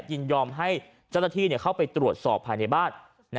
ยินยอมให้เจ้าหน้าที่เข้าไปตรวจสอบภายในบ้าน